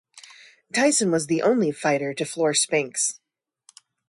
Tyson was the only fighter to floor Spinks.